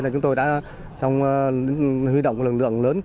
chúng tôi đã huy động lượng lượng lớn